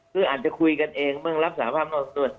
คืออาจจะคุยกันเองบ้างรับสารภาพนอกส่วน